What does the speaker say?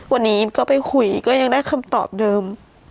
วันนี้ก็ไปคุยก็ยังได้คำตอบเดิม